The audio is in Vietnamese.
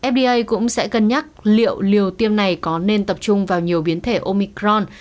fda cũng sẽ cân nhắc liệu liều tiêm này có nên tập trung vào nhiều biến thể omicron